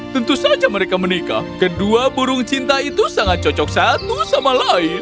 tentu saja mereka menikah kedua burung cinta itu sangat cocok satu sama lain